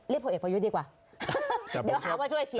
เรียกโภยอีศโภยุทธ์ดีกว่าเดี๋ยวค้าว่าช่วยเชี้ย